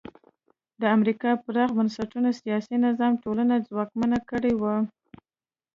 د امریکا پراخ بنسټه سیاسي نظام ټولنه ځواکمنه کړې وه.